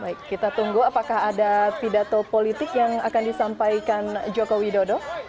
baik kita tunggu apakah ada pidato politik yang akan disampaikan joko widodo